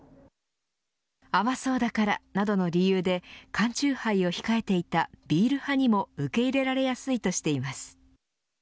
甘そうだから、などの理由で缶チューハイを控えていたビール派にも受け入れられやすいとしています。